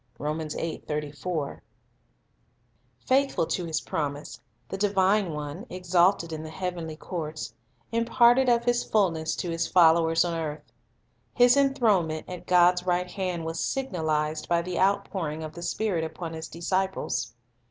2 Faithful to His promise, the Divine One, exalted in the heavenly courts, imparted of His fulness to His followers on earth. His enthronement at God's right hand was signalized by the outpouring of the Spirit upon His disciples.